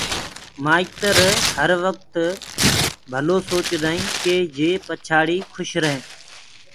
مآئتر هروقت ڀلو سوچدآئينٚ ڪي يي پڇآڙي کُش ريهينٚ